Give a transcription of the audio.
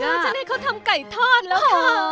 ดูจะได้เค้าทำไก่ทอดละค่ะ